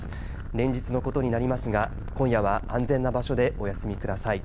連日のことになりますが今夜は安全な場所でお休みください。